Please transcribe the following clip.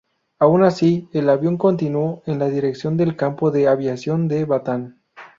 Aun así, el avión continúo en la dirección del campo de aviación de Batán.